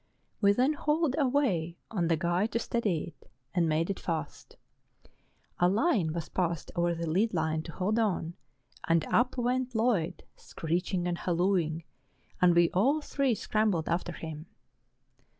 We then hauled away on the guy to steady it, and made it fast; a line was passed over by the lead line to hold on, and up went Lloyd, screeching and hallooing, and we all three scrambled after him.